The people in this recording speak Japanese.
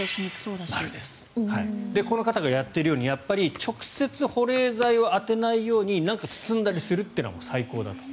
この方がやっているようにやっぱり直接、保冷剤を当てないように包んだりするというのは最高だと。